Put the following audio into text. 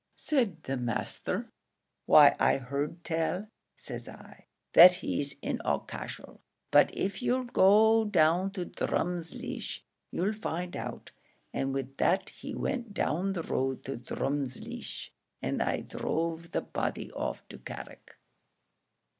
said the masther; 'why I heard tell,' says I, 'that he's in Aughacashel, but av you'll go down to Drumleesh, you'll find out,' and wid that he went down the road to Drumleesh, and I druv the body off to Carrick."